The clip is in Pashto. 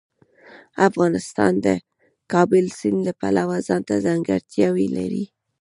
افغانستان د کابل سیند له پلوه ځانته ځانګړتیاوې لري.